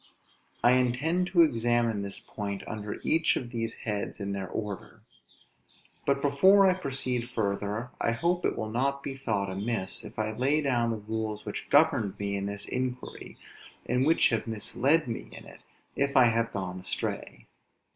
I intend to examine this point under each of these heads in their order. But before I proceed further, I hope it will not be thought amiss, if I lay down the rules which governed me in this inquiry, and which have misled me in it, if I have gone astray.